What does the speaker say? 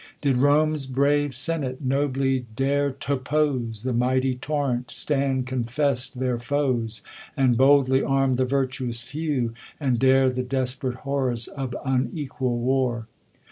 Did Rome's brave senate nobly dare t' oppose The mighty torrent, stand confess'd their foes, And boldly arm the virtuous fev;'^ and dare The desp'rate hoiTors of unequal war